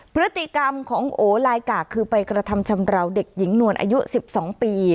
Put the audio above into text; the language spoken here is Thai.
พฤติกรรมของโอลายกากคือไปกระทำชำราวเด็กหญิงนวลอายุ๑๒ปี